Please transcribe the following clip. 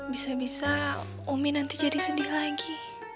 bisa bisa umi nanti jadi sedih lagi